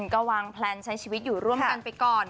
ก็วางแพลนใช้ชีวิตอยู่ร่วมกันไปก่อน